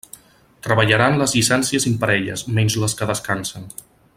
Treballaran les llicències imparelles, menys les que descansen.